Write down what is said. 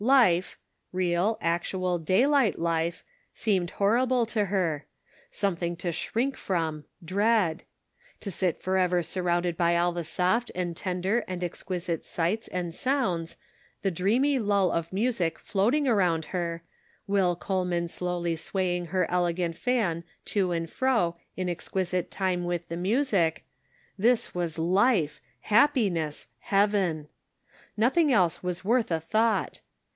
Life — real, actual day light life — seemed horrible to her ; some thing to shrink from, dread ; to sit forever sur rounded by all the soft and tender and exquisite sights and sounds, the dreamy lull of music Measured by Dai/light. 273 floating around her, Will Coleman slowly swaying her elegant fan to and fro in exquisite time with the music ; this was life, happiness, heaven. Nothing else was worth a thought.